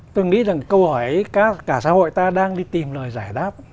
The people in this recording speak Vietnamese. tôi nghĩ rằng câu hỏi cả xã hội ta đang đi tìm lời giải đáp